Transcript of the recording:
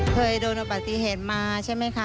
เคยโดนปฏิเหตุมาใช่ไหมคะ